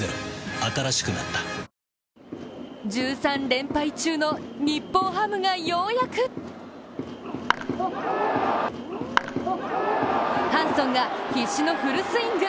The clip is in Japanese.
新しくなった１３連敗中の日本ハムがようやくハンソンが必死のフルスイング。